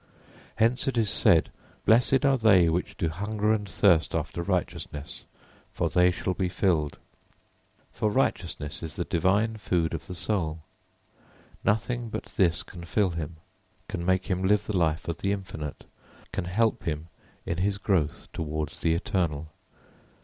Hence it is said, "Blessed are they which do hunger and thirst after righteousness: for they shall be filled." For righteousness is the divine food of the soul; nothing but this can fill him, can make him live the life of the infinite, can help him in his growth towards the eternal.